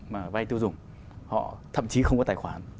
mà vay tiêu dùng họ thậm chí không có tài khoản